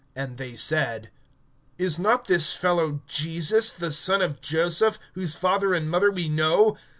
(42)And they said: Is not this Jesus, the son of Joseph, whose father and mother we know?